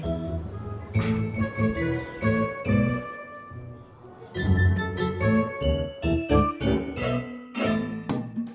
gak ada sih